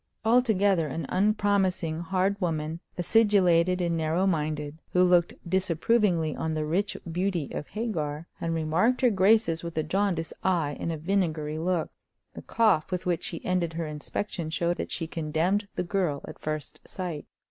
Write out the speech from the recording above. Altogether an unpromising, hard woman, acidulated and narrow minded, who looked disapprovingly on the rich beauty of Hagar, and remarked her graces with a jaundiced eye and a vinegary look. The cough with which she ended her inspection showed that she condemned the girl at first sight.